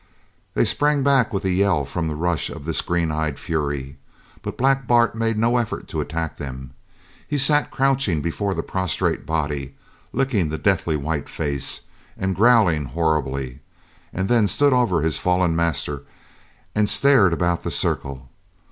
They sprang back with a yell from the rush of this green eyed fury; but Black Bart made no effort to attack them. He sat crouching before the prostrate body, licking the deathly white face, and growling horribly, and then stood over his fallen master and stared about the circle.